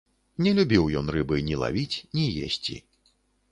Не любіў ён рыбы ні лавіць, ні есці.